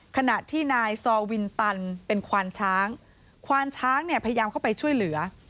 ขณะที่นายซอวินตันเป็นควานช้างควานช้างเนี่ยพยายามเข้าไปช่วยเหลือ